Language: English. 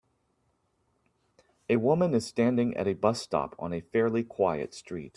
A woman is standing at a bus stop on a fairly quiet street.